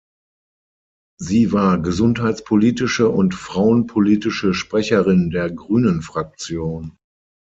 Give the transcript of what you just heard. Sie war gesundheitspolitische und frauenpolitische Sprecherin der Grünenfraktion.